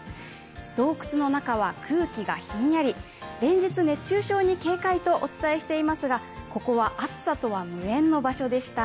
洞窟の中は空気がひんやり、連日、熱中症に警戒とお伝えしていますが、ここは暑さとは無縁の場所でした。